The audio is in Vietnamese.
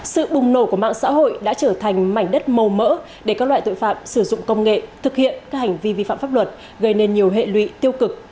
sự bùng nổ của mạng xã hội đã trở thành mảnh đất màu mỡ để các loại tội phạm sử dụng công nghệ thực hiện các hành vi vi phạm pháp luật gây nên nhiều hệ lụy tiêu cực